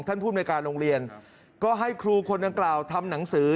ท่านผู้ในการโรงเรียนก็ให้ครูคนต่างกล่าวทำหนังสือ